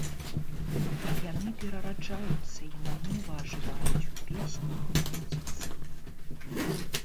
А яны перараджаюцца і нанова ажываюць у песнях, музыцы.